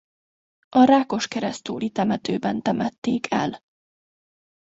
A rákoskeresztúri temetőben temették el.